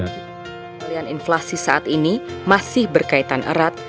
kelihan inflasi saat ini masih berkaitan erat